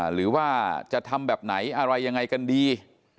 หรือว่าจะทำแบบไหนอะไรยังไงกันดี